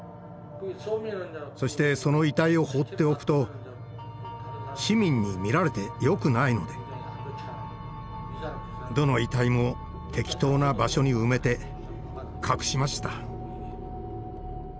そしてその遺体を放っておくと市民に見られてよくないのでどの遺体も適当な場所に埋めて隠しました。